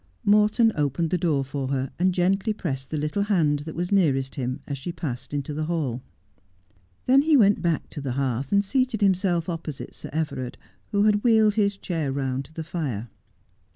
Morton opened the door for her, and gently pressed the little hand that was nearest him as she passed into the hall. Then he went back to the hearth and seated him self opposite Sir Everard, who had wheeled his chair round to the fire.